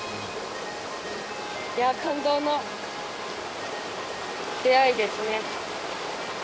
いやぁ感動の出会いですね。